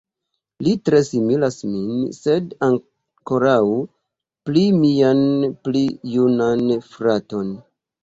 Li tre similas min, sed ankoraŭ pli mian pli junan fraton.